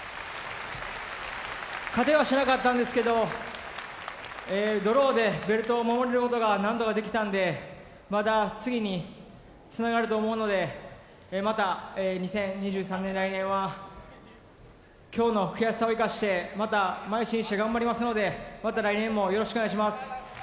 勝てはしなかったんですけどドローでベルトを守ることはなんとかできたのでまた次につながると思うのでまた２０２３年、来年は今日の悔しさを生かしてまた、まい進して頑張りますので来年もよろしくお願いします。